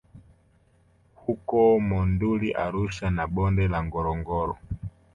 huko Monduli Arusha na Bonde la Ngorongoro